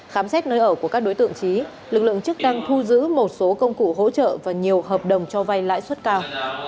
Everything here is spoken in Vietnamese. khám xét nơi ở của các đối tượng trí lực lượng chức năng thu giữ một số công cụ hỗ trợ và nhiều hợp đồng cho vay lãi suất cao